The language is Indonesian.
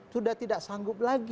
sudah tidak sanggup lagi